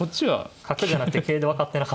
角じゃなくて桂で分かってなかったんですけど。